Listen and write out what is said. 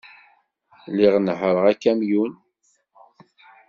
Lliɣ nehhṛeɣ akamyun.